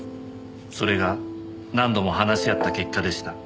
それが何度も話し合った結果でした。